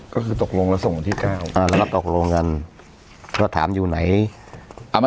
ก็คือตกลงแล้วส่งที่๙แล้วตกลงกันเพราะถามอยู่ไหนเอาไม่